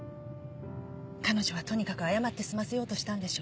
彼女はとにかく謝って済ませようとしたんでしょう。